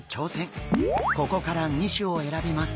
ここから２種を選びます。